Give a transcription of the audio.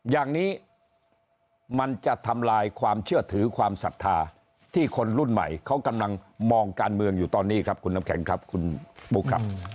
อย่างนี้มันจะทำลายความเชื่อถือความศรัทธาที่คนรุ่นใหม่เขากำลังมองการเมืองอยู่ตอนนี้ครับคุณน้ำแข็งครับคุณบุ๊คครับ